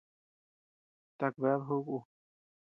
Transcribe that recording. ¿Taka bead jobeku?